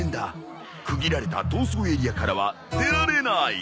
区切られた逃走エリアからは出られない。